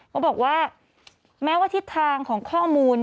เขาบอกว่าแม้ว่าทิศทางของข้อมูล